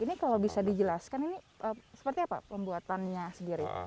ini kalau bisa dijelaskan ini seperti apa pembuatannya sendiri